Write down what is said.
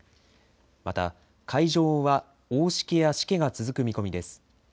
また、海上は大しけやしけが続く見込みです。